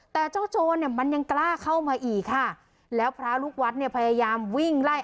แต่เจ้าโจรเนี่ยมันยังกล้าเข้ามาอีกค่ะแล้วพระลูกวัดเนี่ยพยายามวิ่งไล่